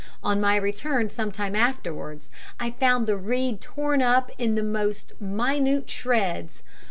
On my return, some time afterwards, I found the reed torn up into the most minute shreds.